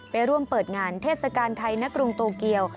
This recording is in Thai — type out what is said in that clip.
ไปร่วมเปิดงานเทศกาลไทยณกรุงโตเกียว